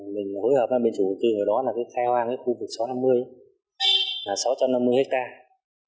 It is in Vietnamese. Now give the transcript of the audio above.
mình hối hợp với biên chủ đầu tư là khai hoang khu vực sáu trăm năm mươi là sáu trăm năm mươi hectare